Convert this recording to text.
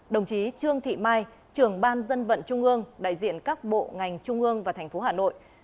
đồng chí trương thị mai trường ban dân vận trung ương đại diện các bộ ngành trung ương và tp hà nội